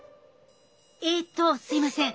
えっとすいません。